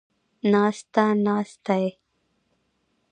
ناسته ، ناستې